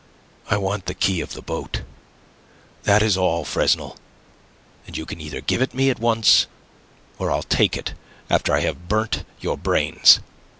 "I want the key of the boat. That is all, Fresnel. And you can either give it me at once, or I'll take it after I have burnt your brains.